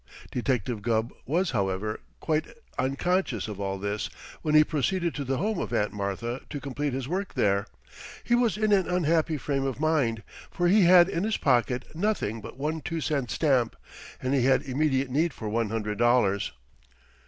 Detective Gubb was, however, quite unconscious of all this when he proceeded to the home of Aunt Martha to complete his work there. He was in an unhappy frame of mind, for he had in his pocket nothing but one two cent stamp and he had immediate need for one hundred dollars.